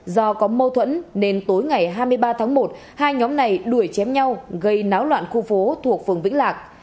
do có mâu thuẫn nên tối ngày hai mươi ba tháng một hai nhóm này đuổi chém nhau gây náo loạn khu phố thuộc phường vĩnh lạc